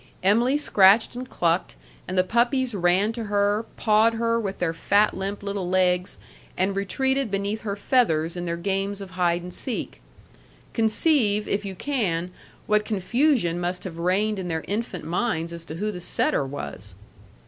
Em'ly scratched and clucked, and the puppies ran to her, pawed her with their fat limp little legs, and retreated beneath her feathers in their games of hide and seek. Conceive, if you can, what confusion must have reigned in their infant minds as to who the setter was!